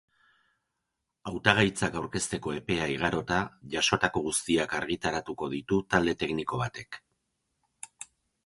Hautagaitzak aurkezteko epea igarota, jasotako guztiak argitaratuko ditu talde tekniko batek.